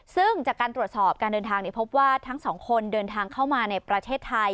ซึ่งจากการตรวจสอบการเดินทางพบว่าทั้งสองคนเดินทางเข้ามาในประเทศไทย